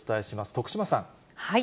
徳島さん。